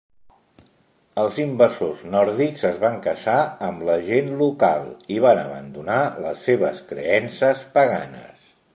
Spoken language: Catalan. Els invasors nòrdics es van casar amb la gent local i van abandonar les seves creences paganes.